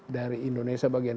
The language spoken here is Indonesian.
dari indonesia bagian